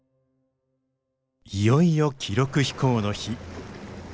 いよいよ記録飛行の日。